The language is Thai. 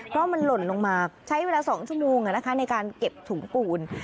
เพราะมันหล่นลงมาใช้เวลา๒ชั่วโมงในการเก็บถุงปูน